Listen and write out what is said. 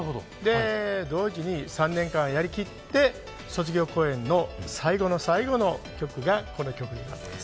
同時に３年間やりきって、卒業公演の最後の最後の曲がこの曲なんです。